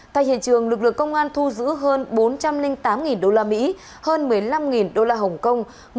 tại hiện trường lực lượng công an thu giữ hơn bốn trăm linh tám usd hơn một mươi năm usd hồng kông